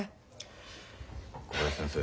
小林先生。